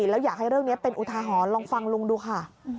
แล้วอยากให้เรื่องนี้เป็นอุทาหรณ์ลองฟังลุงดูค่ะ